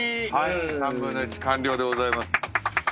３分の１完了でございます。